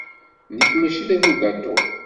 Nekk maci d abugaṭu.